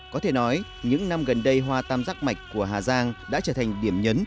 có thể nói những năm gần đây hoa tam giác mạch của hà giang đã trở thành điểm nhấn